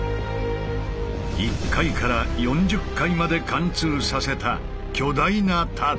１階から４０階まで貫通させた巨大な縦穴。